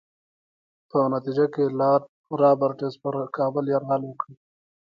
په نتیجه کې لارډ رابرټس پر کابل یرغل وکړ.